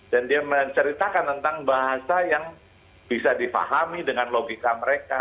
dan dia menceritakan tentang bahasa yang bisa difahami dengan logika mereka